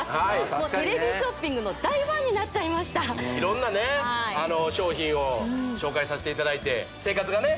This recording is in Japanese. もうテレビショッピングの大ファンになっちゃいました色んなね商品を紹介させていただいて生活がね